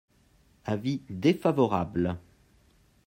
Avis défavorable.